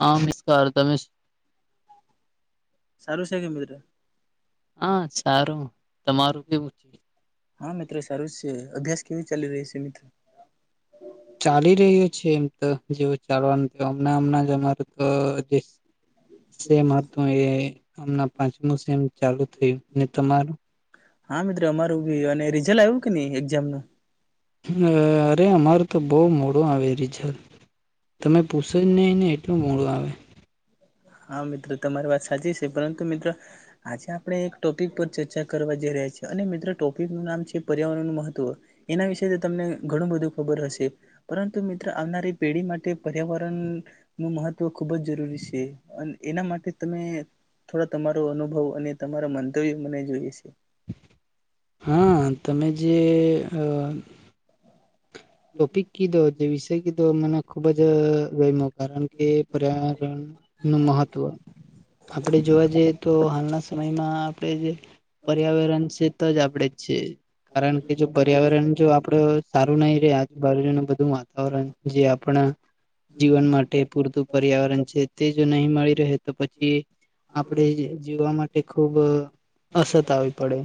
હમસ્કાર તમેશ. સારું છે કે મિત્ર. હા સારું તમારું કેવું છે. હા મિત્રો સારું સે અભ્યાસ કેવી ચાલી રહ્યો સે મિત્રો. ચાલી રહ્યો છે એમ તો જેવું ચાલવાનું હમણાં હમણાં જ અમારે તો અભ્યાસ સેમ હતું એ હમના પાંચમું સેમ ચાલુ થઈ ગ્યું તમારું. હા મિત્ર અમારું બી અને રિઝલ્ટ આવ્યું કે નહીં એક્ઝામનાં. અ અરે અમારે તો બહું મોરુ આવે રિઝલ્ટ તમે પૂસે જ નહી. ને એટલું મોડું આવે. હા મિત્રો તમારી વાત સાચી છે પરંતુ મિત્રો. આજે આપણે એક ટોપિક પર ચર્ચા કરવા જઈ રહ્યા છીએ અને મિત્રો ટોપિકનું નામ છે પર્યાવરણનું મહત્ત્વ. એના વિશે તમને ઘણું બધું ખબર હશે. પરંતુ મિત્ર આવનારી પેઢી માટે પર્યાવરણ નું મહત્વ ખુબ જ જરૂરી છે. એ અન એના માટે તમે થોડો તમારો અનુભવ અને તમારા મંતવ્ય મને જોઈએ છે. હા તમે જેઅ ટોપિક કીધો જે વિષય કીધો મને ખુબ જ ગમ્યો કારણ કે પર્યાવરણ નું મહત્વ આપણે જોવા જઈએ તો હાલના સમયમાં આપણે જે પર્યાવરણ છે તો જ આપડે જ છે. કારણ કે જો પર્યાવરણ જો આપડુ સારું નહી રેહ આજ બાજરીનું બધું વાતાવરણ જે આપણા જીવન માટે પૂરતું પર્યાવરણ છે તે જો નહીં મળી રહે તો પછી આપડે જ જીવા માટે ખુબ અસત આવી પડે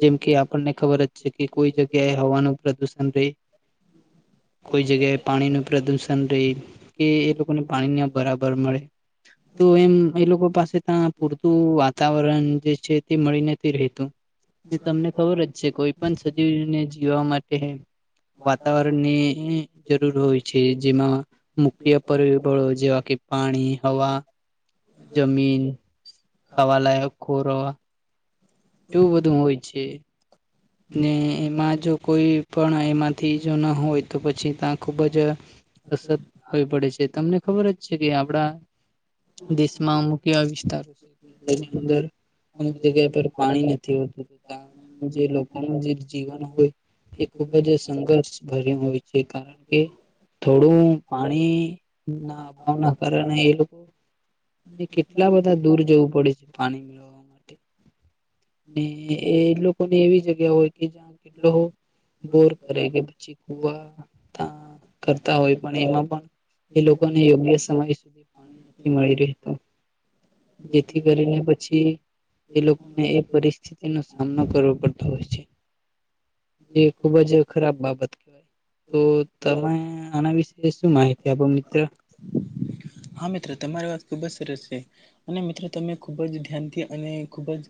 જેમ કે આપણને ખબર જ છે કે કોઈ જગ્યાએ હવાનું પ્રદુષણ રહી કોઈ જગ્યાએ પાણીનું પ્રદૂષણ રહી કે એ લોકોને પાણીન્ય બરાબર મળે. તો એમ એ લોકો પાસે ત્યા પૂરતું વાતાવરણ જે છે તે મળી નથી રહેતું. તો તમને ખબર જ છે કોઈ પણ સજીવને જીવવા માટે વાતાવરણ ની જરૂર હોય છે જેમાં મુખ્ય પરિબળો જેવા કે પાણી, હવા જમીન ખાવાલાયક ખોરોવા તેવું બધું હોય છે. ને એમાં જો કોઈ પણ એમાંથી જો ન હોય તો પછી તાં ખૂબ જ અસત હોવી પડે છે તમને ખબર જ છે કે આપડા દેશમાં અમુક એવા વિસ્તારો છે. ની [unintelligible] અમુક જગ્યા પર પાણી નથી હોતું જે કામ બીજા લોક આમનું જે જીવન હોય તે ખૂબ જ સંઘર્ષ ભર્યા હોય છે કારણ કે થોડું પાણી ના અભાવ ના કારણે એ લોકો કેટલા બધા દૂર જવું પડે છે. પાની મેળવવા માટે ને એ લોકો તો એવી જગ હોય કે જ્યાં કેટલો હો બોર કરે કે પછી કુવા તાં કરતા હોય પણ એમાં પણ એ લોકોને યોગ્ય સમય સુધી પાણીની મળી રહે તું જેથી કરીને પછી એ લોકોને એ પરિસ્થિતિ નો સામનો કરવો પડતો [unintelligible] જે ખુબ જ ખરાબ બાબત કવાય તો તમે આના વિશે શું માહિતી આપો મિત્રો. હા મિત્ર તમારી વાત ખુબ જ સરસ છે. અને મિત્રો તમે ખૂબ જ ધ્યાનથી અને ખૂબ જ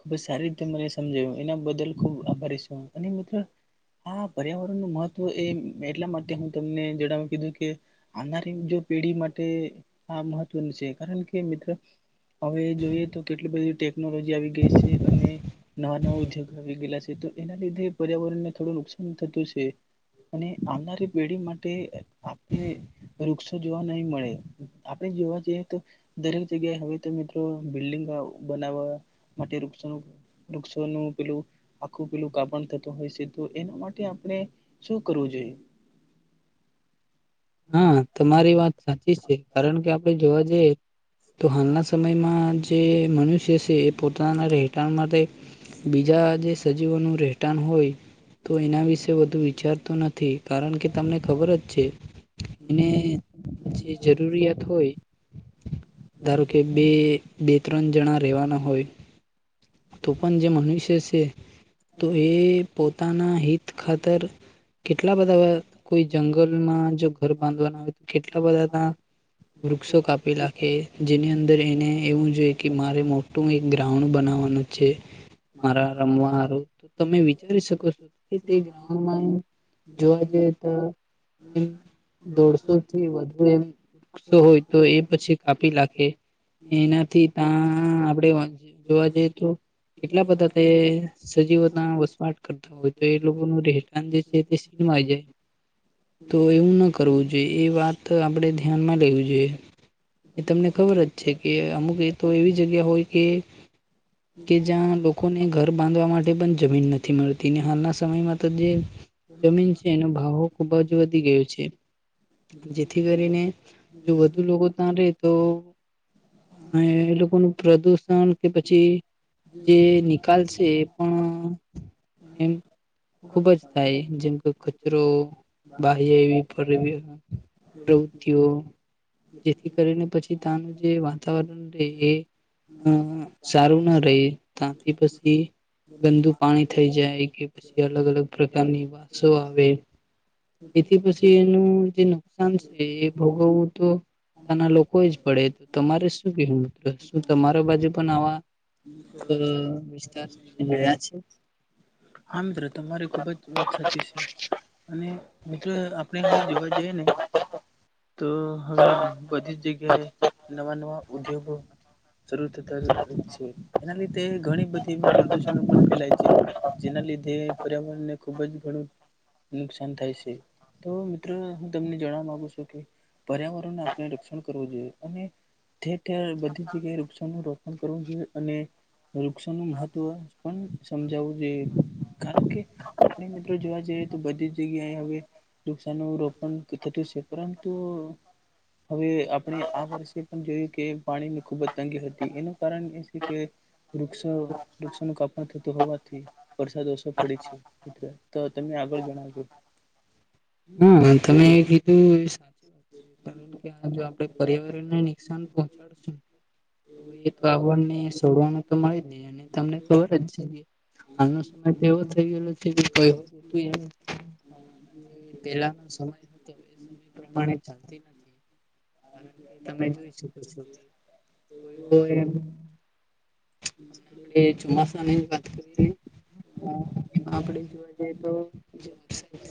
ખુબ જ સારી રીતે મને સમજાવ્યું એના બદલ ખુબ આભારીશું અને મિત્ર હા પર્યાવરણ નું મહત્વ એ એટલા માટે હું તમને જ તો હમ કીધું કે આવનારી જો પેઢી માટે આ મહત્વની છે કારણ કે મિત્ર હવે જોઈએ તો કેટલી બધી ટેકનોલોજી આવી ગઈ છે અને નવા નવા ઉદ્યોગ આવી ગયેલા છે તો એના લીધે પર્યાવરણને થોડું નુકસાન થતું છે. અને આવનારી પેઢી માટે આપણે વૃક્ષો જોવા નહી મળે આપણે જોવા જઈએ તો દરેક જગ્યાએ હવે તો મિત્રો બિલ્ડિંગ બનાવવા માટે વૃક્ષો વૃક્ષોનું પેલું આખું પેલું કાબણ થતું હોય છે તો એના માટે આપણે શું કરવું જોઈએ? હા તમારી વાત સાચી છે કારણ કે આપડે જોવા જઈએ તો હાલના સમયમાં જે મનુષ્ય છે એ પોતાના રહેટાણ માટે બીજા જે સજીવોનું રહેટાણ હોય તો એના વિશે વધુ વિચારતો નથી. કારણ કે તમને ખબર જ છે. એને જે જરૂરિયાત હોય. ધારો કે બે બે ત્રણ જણા રહેેવાના હોય. તો પણ જે મનુષ્ય છે તો એ પોતાના હિત ખાતર કેટલા બધા કોઈ જંગલમાં જો ઘ બાંધવાના હો તો કેટલા બધા ત્યાં વૃક્ષો કાપી રાખે જેની અંદર એને એવું જોઈએ કે મારે મોટું એક ગ્રાઉન્ડ બનાવવાનું છે. મારા રમવા હારું તો તમે વિચારી શકો છો તે ગ્રાઉમાં હમ. બજતા એ દોઢસો થી વધુ એમસો હોય તો એ પછી કાપી લખે. એનાથી તં આપડે [unintelligible] જોવા જઈએ તો. કેટલા બધા તે સજીવો ના વસવાટ કરતા. તો એ લોકોનું રહેઠાણ જે છે તે સીનવાય જાય તો એવું ન કરવું જોઈએ એ વાત આપણે ધ્યાનમાં લેવી જોઈએ. એ તમને ખબર જ છે કે અમુક એ તો એવી જગ્યા હોય કે કે જ્યાં લોકોને ઘર બાંધવા માટે પણ જમીન નથી મળતી ને હાલના સમયમાં તો જે જમીન છે એનો ભાવો ખુબ જ વધી ગયો છે. જેથી કરીને જો વધુ લોકો ત્યાં રે તો અ એ લોકોનું પ્રદુષણ કે પછી જે ની કાલ છે પણ એમ ખુબ જ થાય જેમ ખચરો બાહ [unintelligible] જાયવી ફડ પ્રવૃત્તિઓ જેથી કરીને પછી ત્યાનું જે વાતાવરણ રહે એ અ સારું ના રે ત્યાંથી પછી. ગંદુ પાણી થઈ જાય કે પછી અલગ અલગ પ્રકારની વાસો આવે. કે. જેનું જે નુકસાન છે એ ભોગવવું તો ના લોકો જ પડે તો તમારે શું કવું મિત્ર શું તમારા બાજુ પણ આવા વિસ્તાર તમે જોયા છે હા મિત્રો તમારી ખુબ જ વાત સાચી છે અને મિત્રો આપણે હવે જોવા જએ જેને તો હવે બધી જ જગ્યાએ નવા નવા ઉદ્યોગો શરૂ થતા. છે એના લીધે ઘણી બધી એવી પ્રદૂષણો પણ ફેલાય છે જેના લીધે પર્યાવરણને ખુબ જ ઘણું નુકસાન થાય છે તો મિત્રો હું તમને જણાવા માગું છું પર્યાવરણને આપણે રક્ષણ કરવું જોઈએ અને ઠેર ઠેર બધી જગ્યાએ વૃક્ષનું રોપણ કરવું જોઈએ અને વૃક્ષો નુ મહત્વ પણ સમજાવવું જોઈએ કારણ કે આપણે મિત્રો જોવા જઈએ તો બધી જ જગ્યાએ હવે વૃક્ષો નુ રોપણ થતું છે. પરંતુ હવે આપણે આ વર્ષે પણ જોયું કે પાણીની ખૂબ જ તંગી હતી એનું કારણ એ છે કે વૃક્ષો વૃક્ષોનું કાપણ થતું હોવાથી વરસાદ ઓછો પડી છે મિત્ર તો તમે આગળ જણાવજો. હા તમે કીધું એ [inaudible] આષજો આપણે પર્યાવરણને નુકસાન પહોંચાડશું એ તો આપણને છોડવાનું તો મળે જ નહીં અને તમને ખબર જ છે હાલનો સમય તો એવો થઈ ગયેલો છે કે કઈ [inaudible] પેહલાનો સમય હતો તે સમય પ્રમાણે ચાલતી નથી. કારણ કે તમે જોઈ શકો છો કે કોઈ હોય એમ આપડે આપડે અ આપડે જોવા જાઈએ તો જે વરસાદ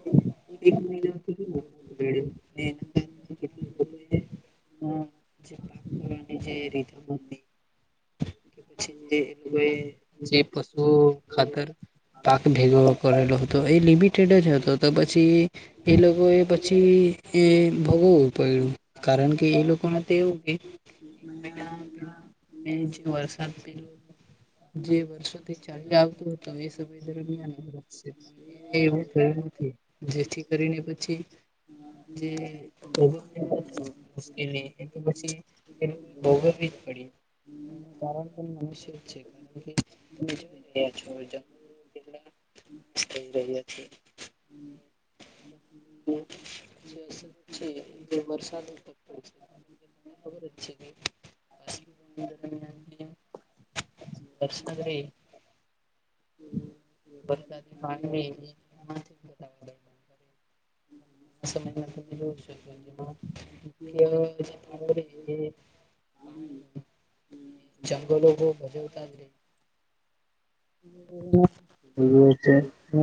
છે. એક મહિના સુધી [inaudible] એ એના [inaudible] જે પાક કરવાની જે રીધાબંધી કે પછી જે એ લોકોએ જે પશુઓ ખાતર પાક ભેગો કરેલો હતો એ લિમિટેડ જ હતો તો પ પછી એ લોકોએ પછી એ ભોગવવું પયડુ. કારણ કે એ લોકોને તો એવું કે એક મહિના પેલા જે [inaudible] જે વર્ષોથી ચાલી આવતું હતું એ સમય દરમિયાન એ વધશે અને એ એવું થયું નથી. જેથી કરીને પછી જે પોબલેમ થયલો મુશ્કેલી એ તો પછી એ લોકો ભોગવવી જ પડી. કારણ કે પણ મનુષ્ય છે કારણ કે તમે જોઈ રહ્યા છો જ કારણ કે કેટલા જોઈ રહ્યા છે. હમ્મ. એમાં અછત છે એ વરસાદનો [inaudible] છે. ને ખબર જ છે કઈ [inaudible] વરસાદ રેય. વરસાદી પાણી એમાં [unintelligible] સમય માટે [inaudible] જેમાં મુખ્ય રેય એ પાણી, જંગલો [unintelligible] તો હવે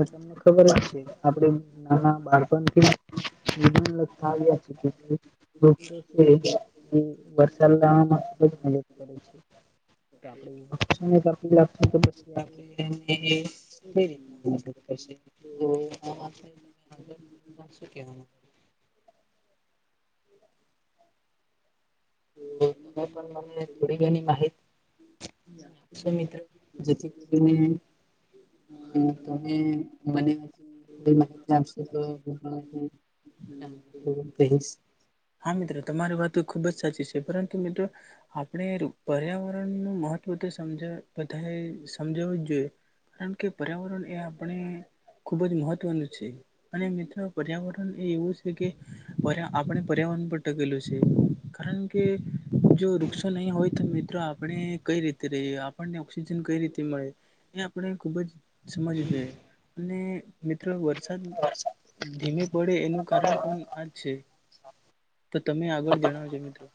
તમને ખબર જ છે આપડે નાના બાળપણથી [inaudible] થાય જ છે. [inaudible] છે વરસાદ લાવવામાં ખૂબ જ મદદ કરે છે. તો આપડુ એના કરતી આપણું ખબર છે. એ આપણે એને કઈ રીતના મદદ કરશે તો એમ આપણે તો તમાર શું કેવાનુ? તો તમે પણ મને થોડી ઘની માહિત તી આપશો મિત્ર જેથી કરીને હ તમે મને પછી થોડી માહિતી આપશે તો હું પણ [inaudible] કહીશ. હા મિત્ર, તમારી વાત તો ખુબ જ સાચી છે પરંતુ મિત્ર આપણે રૂ પર્યાવરણનું મહત્વ તો સમજા બધાએ સમજાવું જ જોઈએ. કારણ કે પર્યાવરણ એ આપણે ખૂબ જ મહત્વનું છે અને મિત્રો પર્યાવરણ એ એવું છે કે પર્યા આપણે પર્યાવરણ પર ટકેલું છે કારણ કે જો વૃક્ષો નહીં હોય તો મિત્રો આપણે કઈ રીતે રહીએ? આપણને ઓક્સિજન કઈ રીતે મળે? એ આપણે ખૂબ જ સમજવું જોઈએ અને મિત્રો વરસાદ ધીમે પડે એનું કારણ પણ આ જ છે. હા. તો તમે આગળ જણાવજો મિત્રો.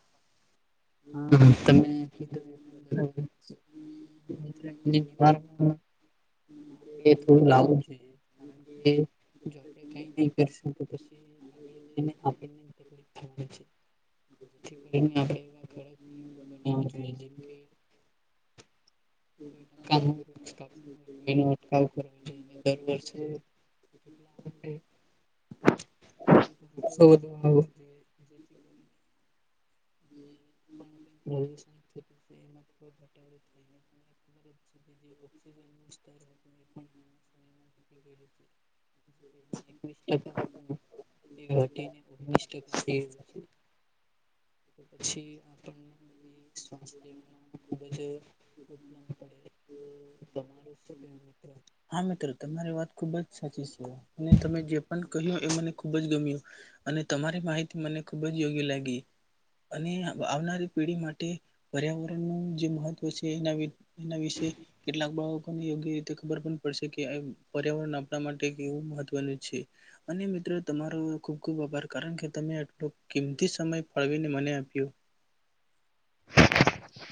હમ્મ, તમે [inaudible] ને એકવાર હું [unintelligible] એ જો આપડે કઈ નહી કરશું તો પછી [unintelligible] આપે છે. જેથી કરી ને આપડે એવા કડક [unintelligible] બનાવવું જોઈએ જેમ કે કોઈ [unintelligible] તેનું અટકાવ કરવો જોઈ ને દર વર્ષે કેટલા આપડે વૃક્ષો વધવાવો પછી કારણ કે હમ્મ. [inaudible] [inaudible] જેના એકવીસ ટકા [unintelligible] તે ઘટીને ઓગણીસ ટકા થઈ ગયું પછી તો પછી [inaudible] સ્વાસ્થ્યનો ખૂબ જ [unintelligible] પડે તો તમારું શું કહેવું મિત્ર. હા મિત્રો તમારી વાત ખુબ જ સાચી છે અને તમે જે પણ કહ્યું એ મને ખુબ જ ગમ્યું. અને તમારી માહિતી મને ખુબ જ યોગ્ય લાગી. અને આવનારી પેઢી માટે પર્યાવરણનું જે મહત્વ છે એના વી એના વિશે કેટલાક બાળકોને યોગ્ય રીતે ખબર પણ પડશે કે આ પર્યાવરણ આપણા માટે એક એવું મહત્વનું છે. અને મિત્રો તમારો ખુબ ખુબ આભાર કારણ કે તમે આટલો કિંમતી સમય ફાળવીને મને આપ્યો. [inaudible]